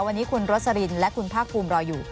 วันนี้คุณโรสลินและคุณภาคภูมิรออยู่